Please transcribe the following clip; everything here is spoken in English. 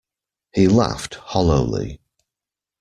He laughed hollowly.